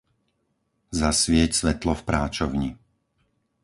Zasvieť svetlo v práčovni.